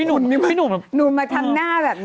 หนุ่มมาทำหน้าแบบนี้